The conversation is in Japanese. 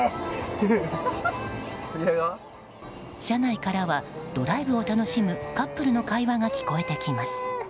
車内からはドライブを楽しむカップルの会話が聞こえてきます。